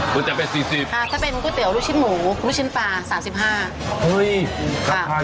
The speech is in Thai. ก๋วยเตี๋ยวเป็ด๔๐ถ้าเป็นก๋วยเตี๋ยวลูกชิ้นหมูลูกชิ้นปลา๓๕